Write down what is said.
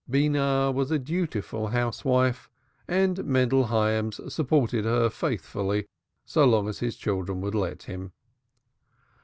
Beenah was a dutiful housewife and Mendel Hyams supported her faithfully so long as his children would let him.